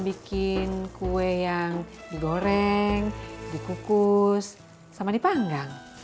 bikin kue yang digoreng dikukus sama dipanggang